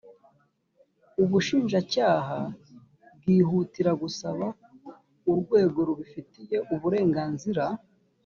ubushinjacyaha bwihutira gusaba urwego rubifitiye uburenganzira